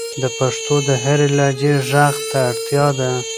د پښتو د هرې لهجې ږغ ته اړتیا ده.